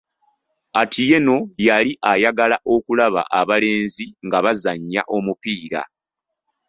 Atieno yali ayagala okulaba abalenzi nga bazannya omupiira.